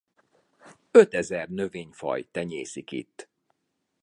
Ötezer növényfaj tenyészik itt.